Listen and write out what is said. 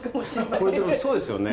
これでもそうですよね？